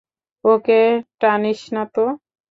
ওকে টানিস না তো।